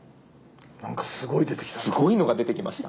なんかすごい出てきた。